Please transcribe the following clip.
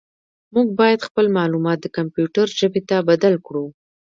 موږ باید خپل معلومات د کمپیوټر ژبې ته بدل کړو.